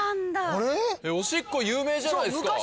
おしっこ有名じゃないですか！